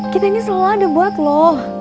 kita ini selalu ada buat lo